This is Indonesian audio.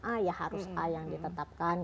a ya harus a yang ditetapkan